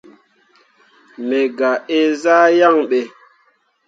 Me gah inzah yaŋ ɓe.